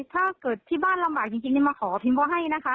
ถ้าเกิดที่บ้านลำบากจริงมาขอพิมก็ให้นะคะ